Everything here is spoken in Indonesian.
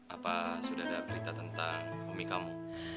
apa sudah ada berita tentang bumi kamu